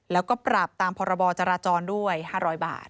แล้วก็ปรับตามพรบจราจรด้วย๕๐๐บาท